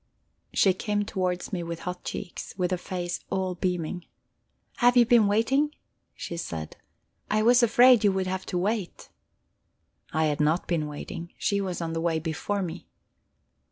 She came towards me with hot cheeks, with a face all beaming. "Have you been waiting?" she said. "I was afraid you would have to wait." I had not been waiting; she was on the way before me.